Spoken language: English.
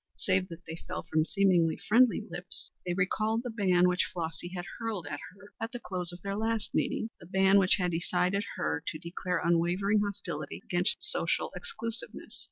Save that they fell from seemingly friendly lips they recalled the ban which Flossy had hurled at her at the close of their last meeting the ban which had decided her to declare unwavering hostility against social exclusiveness.